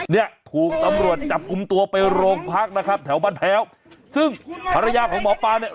เนี่ยถูกตำรวจจับกลุ่มตัวไปโรงพักนะครับแถวบ้านแพ้วซึ่งภรรยาของหมอปลาเนี่ย